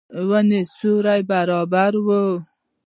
ونې سیوری برابروي.